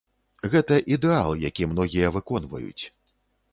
Гэта ідэал, які многія выконваюць.